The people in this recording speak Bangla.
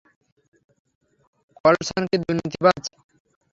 কলসন কি দুর্নীতিবাজ?